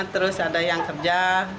terus ada yang kerja